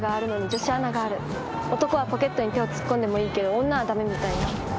男はポケットに手を突っ込んでもいいけど女は駄目みたいな。